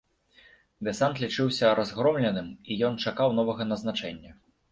Дэсант лічыўся разгромленым, і ён чакаў новага назначэння.